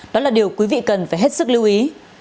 đó là điều quý vị cần phải hết sức lưu ý